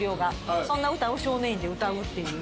そんな歌を少年院で歌うっていう。